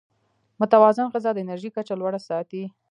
متوازن غذا د انرژۍ کچه لوړه ساتي.